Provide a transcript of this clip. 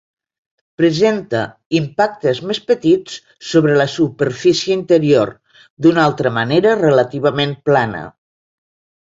Presenta impactes més petits sobre la superfície interior, d'una altra manera relativament plana.